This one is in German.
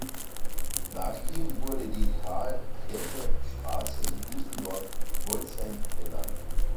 Nach ihm wurde die "Karl-Kleppe-Straße" in Düsseldorf-Golzheim benannt.